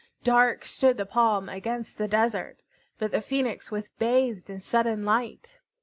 Dark stood the palm against the desert, but the Phoenix was bathed in sudden light.